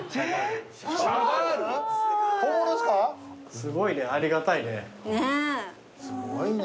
すごいねありがたいね。